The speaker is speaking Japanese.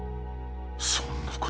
そんなこと。